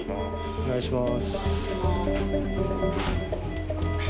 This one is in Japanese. お願いします